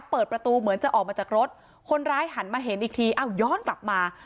เปิดประตูเหมือนจะออกมาจากรถคนร้ายหันมาเห็นอีกทีอ้าวย้อนกลับมา